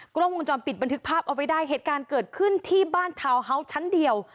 กล้องวงจรปิดบันทึกภาพเอาไว้ได้เหตุการณ์เกิดขึ้นที่บ้านทาวน์เฮาส์ชั้นเดียว